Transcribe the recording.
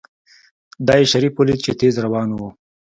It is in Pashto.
دا يې شريف وليد چې تېز روان و.